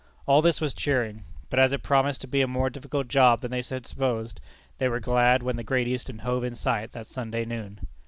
All this was cheering, but as it promised to be a more difficult job than they had supposed, they were glad when the Great Eastern hove in sight that Sunday noon.